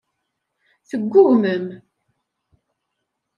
Teggugmem.